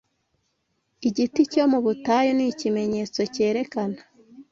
Igiti cyo mu butayu ni ikimenyetso cyerekana